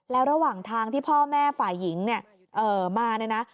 แล้วระหว่างทางที่พ่อแม่ฝ่ายหญิงเนี่ยมาเนี่ยนะ